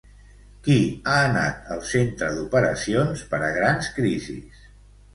Qui ha anat al Centre d'Operacions per a Grans Crisis?